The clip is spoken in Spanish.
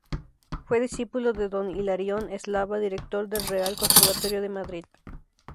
Fue discípulo de Don Hilarión Eslava, director del Real conservatorio de Madrid.